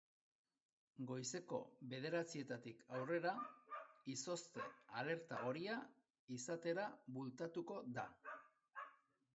Goizeko bederatzietatik aurrera, izozte alerta horia izatera bultatuko da.